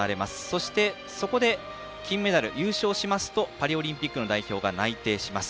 そして、そこで金メダル優勝しますとパリオリンピックの代表が内定します。